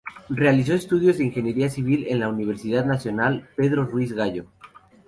Realizó estudios de Ingeniería Civil en la Universidad Nacional Pedro Ruiz Gallo.